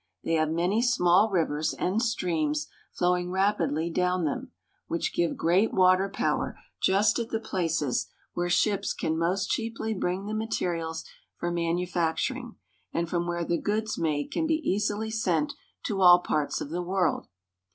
They have many small rivers and streams flowing rapidly down them, which give great water power just at the places where ships can most cheaply bring the materials for manufacturing, and from where the goods made can be easily sent to all parts of the world.